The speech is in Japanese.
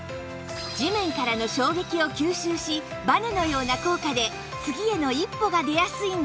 地面からの衝撃を吸収しバネのような効果で次への一歩が出やすいんです